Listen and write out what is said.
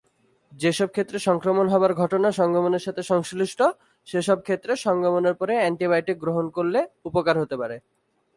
যেসব ক্ষেত্রে সংক্রমণ হবার ঘটনা সঙ্গমের সাথে সংশ্লিষ্ট, সেসব ক্ষেত্রে সঙ্গমের পরে অ্যান্টিবায়োটিক গ্রহণ করলে উপকার হতে পারে।